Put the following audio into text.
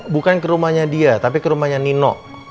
bukan ke rumahnya dia tapi ke rumahnya nino